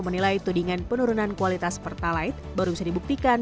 menilai tudingan penurunan kualitas pertalite baru bisa dibuktikan